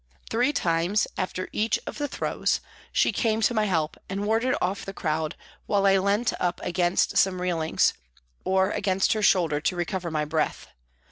Three times, after each of the " throws," she came to my help and warded off the crowd while I leant up against some railings, or against her shoulder to recover my breath.